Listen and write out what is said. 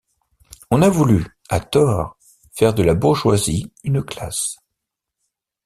On a voulu, à tort, faire de la bourgeoisie une classe.